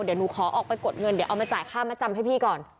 เดี๋ยวหนูขอออกไปกดเงินเดี๋ยวเอามาจ่ายค่ามาจำให้พี่ก่อน